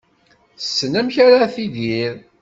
Tessen amek ara tidir.